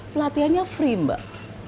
pelatihannya free mbak